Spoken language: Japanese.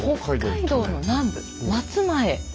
北海道の南部松前。